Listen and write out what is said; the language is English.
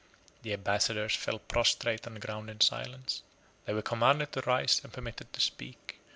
The ambassadors fell prostrate on the ground in silence. They were commanded to rise, and permitted to speak.